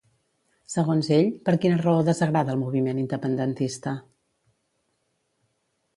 Segons ell, per quina raó desagrada el moviment independentista?